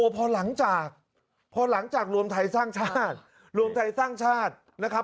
พอหลังจากพอหลังจากรวมไทยสร้างชาติรวมไทยสร้างชาตินะครับ